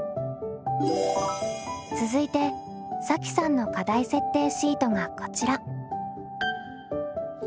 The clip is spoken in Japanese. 続いてさきさんの課題設定シートがこちら。